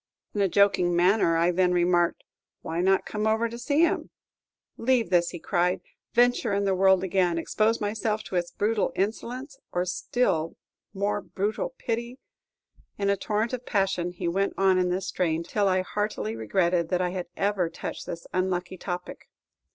In a joking manner, I then remarked, "Why not come over to see him?" "Leave this!" cried he; "venture in the world again; expose myself to its brutal insolence, or still more brutal pity!" In a torrent of passion, he went on in this strain, till I heartily regretted that I had ever touched this unlucky topic.